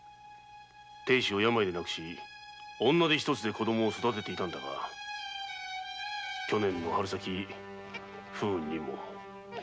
亭主を病で亡くし女手一つで子供を育てていたんだが去年の春先不運にも。